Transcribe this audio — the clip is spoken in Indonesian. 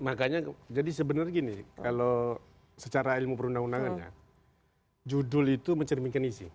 makanya jadi sebenarnya gini kalau secara ilmu perundang undangannya judul itu mencerminkan isi